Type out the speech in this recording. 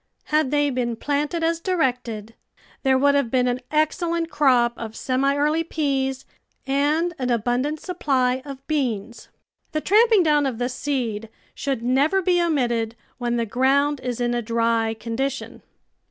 Had they been planted as directed, there would have been an excellent crop of semi early peas and an abundant supply of beans. The tramping down of the seed should never be omitted when the ground is in a dry condition.